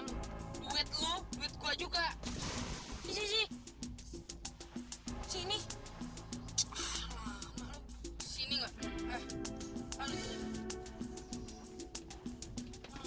mereka tuh gak punya apa apa gak punya modal